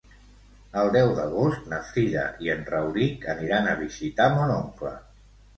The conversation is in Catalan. El deu d'agost na Frida i en Rauric aniran a visitar mon oncle.